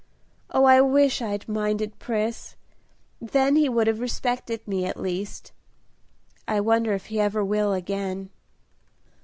Oh, I wish I'd minded Pris! then he would have respected me, at least; I wonder if he ever will, again?"